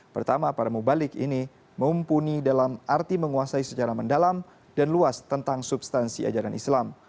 pertama para mubalik ini mumpuni dalam arti menguasai secara mendalam dan luas tentang substansi ajaran islam